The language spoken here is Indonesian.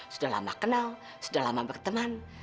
sudah lama kenal sudah lama berteman